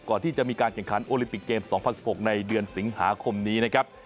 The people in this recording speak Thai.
ก่อนที่จะมีการแข่งขันโอลิมปิกเกม๒๐๑๖ในเดือนสิงหาคมนี้นะครับ